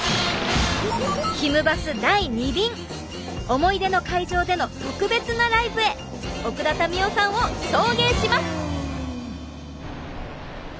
思い出の会場での特別なライブへ奥田民生さんを送迎します！